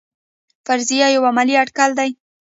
فرضیه یو علمي اټکل دی